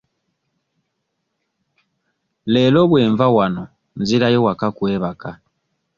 Leero bwe nva wano nzirayo waka kwebaka.